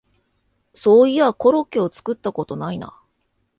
そういやコロッケを作ったことないな